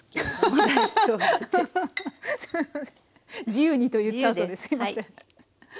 「自由に」と言ったあとですみません。